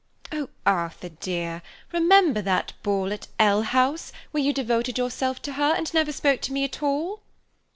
"Oh, Arthur dear, remember that ball at L— House, where you devoted yourself to her, and never spoke to me at all."